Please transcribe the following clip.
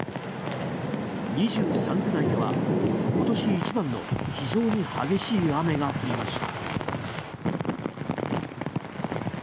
２３区内では今年一番の非常に激しい雨が降りました。